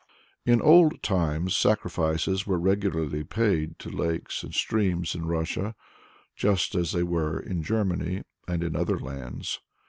In old times sacrifices were regularly paid to lakes and streams in Russia, just as they were in Germany and in other lands.